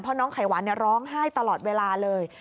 เพราะน้องไขหวานร้องไห้ตลอดเวลาเลย